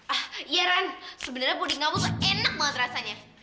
ah iya ran sebenarnya puding kamu tuh enak banget rasanya